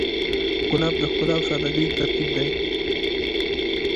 ګلاب د ښکلا او سادګۍ ترکیب دی.